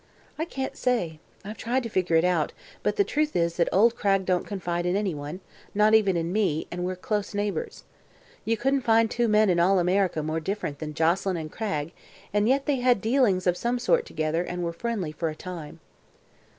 "I can't say. I've tried to figure it out, but the truth is that old Cragg don't confide in anyone not even in me, and we're close neighbors. You couldn't find two men in all America more different than Joselyn and Cragg, and yet they had dealings of some sort together and were friendly, for a time."